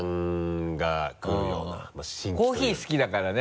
コーヒー好きだからね。